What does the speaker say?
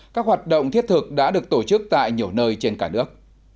các hoạt động thiết thực đã được tổ chức tại nhiều nơi trên cả nước